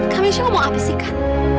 kamisya kamu mau apa sih kan